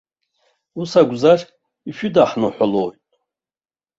Ус акәзар ишәыдҳныҳәалоит.